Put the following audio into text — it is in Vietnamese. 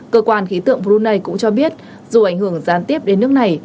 cơ quan khí tượng brunei cũng cho biết dù ảnh hưởng gián tiếp đến nước này